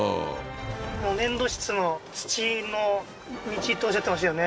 うん粘土質の土の道っておっしゃってましたよね